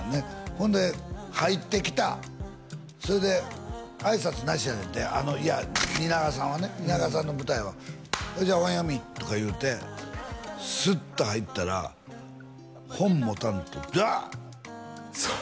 ほんで入ってきたそれで挨拶なしやねんてあのいや蜷川さんはね蜷川さんの舞台はそいじゃ本読みとかいうてすっと入ったら本持たんとブワーッそう